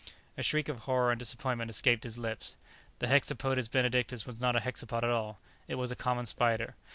A shriek of horror and disappointment escaped his lips. The Hexapodes Benedictus was not a hexapod at all. It was a common spider.